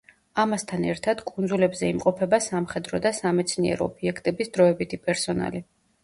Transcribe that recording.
ამასთან ერთად კუნძულებზე იმყოფება სამხედრო და სამეცნიერო ობიექტების დროებითი პერსონალი.